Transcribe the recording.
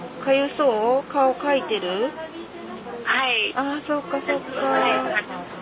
ああそっかそっか。